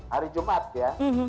hari jumat ya